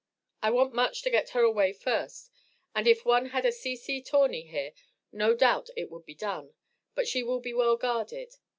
I want much to get her away first and if one had a C.C. Torney here no doubt it would be done; but she will be well guarded.